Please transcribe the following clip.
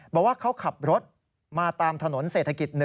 บอกว่าเขาขับรถมาตามถนนเศรษฐกิจ๑